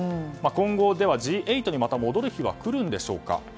今後、ではＧ８にまた戻る日は来るんでしょうか。